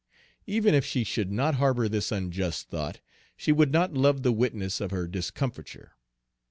Even if she should not harbor this unjust thought, she would not love the witness of her discomfiture.